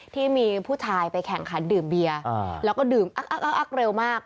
ที่มีผู้ชายไปแข่งขันดื่มเบียร์แล้วก็ดื่มอักเร็วมาก